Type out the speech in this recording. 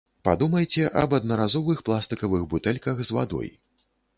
Падумайце аб аднаразовых пластыкавых бутэльках з вадой.